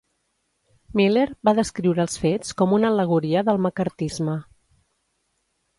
Miller va descriure els fets com una al·legoria del maccarthisme.